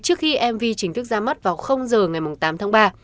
trước khi mv chính thức ra mắt vào h ngày tám tháng ba